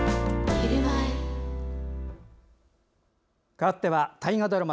かわっては、大河ドラマ